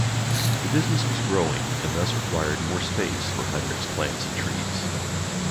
The business was growing, and thus required more space for Hienrich's plants and trees.